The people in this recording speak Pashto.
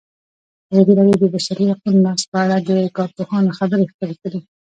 ازادي راډیو د د بشري حقونو نقض په اړه د کارپوهانو خبرې خپرې کړي.